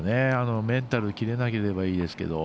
メンタル、切れなければいいですけど